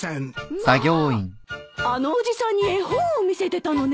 まああのおじさんに絵本を見せてたのね。